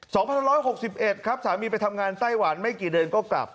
สองพันร้อยหกสิบเอ็ดครับสามีไปทำงานไต้หวันไม่กี่เดือนก็กลับ